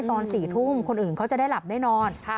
ตอน๔ทุ่มคนอื่นเขาจะได้หลับได้นอน